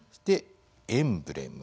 エンブレム